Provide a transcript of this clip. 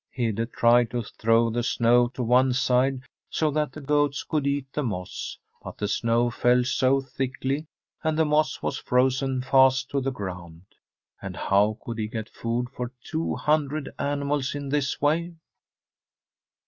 Hede tried to throw the snow to one side so that the goats could eat the moss; but the snow fell so thickly, and the moss was frozen fast to the ground. And how could he get food for two hundred animals in this way?